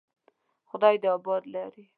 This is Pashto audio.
خدای دې آباد لري.